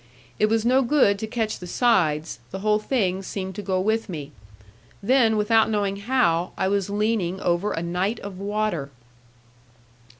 It was no good to catch the sides, the whole thing seemed to go with me. Then, without knowing how, I was leaning over a night of water.